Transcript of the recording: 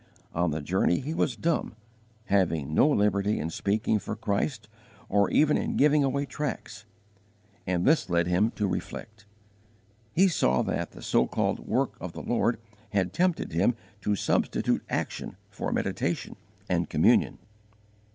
On the journey he was dumb, having no liberty in speaking for Christ or even in giving away tracts, and this led him to reflect. He saw that the so called 'work of the Lord' had tempted him to substitute _action for meditation and communion.